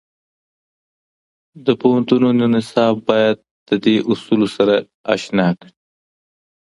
د پوهنتونو نصاب باید د دې اصولو سره اشنا کړي.